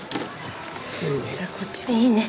じゃこっちでいいね。